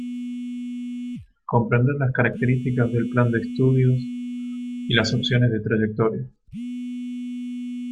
Comprender las características del plan de estudios y las opciones de trayectoria.